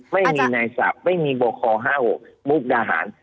ไม่มีนายศัพท์ไม่มีบค๕๖มุกดาหาร